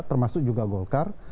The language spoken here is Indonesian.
termasuk juga golkar